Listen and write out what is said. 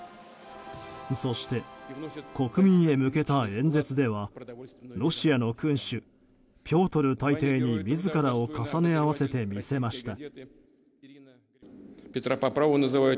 そして国民へ向けた演説ではロシアの君主ピョートル大帝に自らを重ね合わせてみせました。